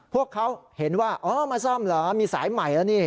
พวกเขาเห็นว่าอ๋อมาซ่อมเหรอมีสายใหม่แล้วนี่